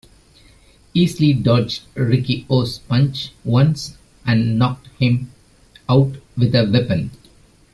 Easily dodged Riki-Oh's punch once, and knocked him out with the weapon.